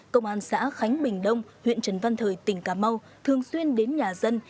công an xã khánh bình đông huyện trần văn thời tỉnh cà mau thường xuyên đến nhà dân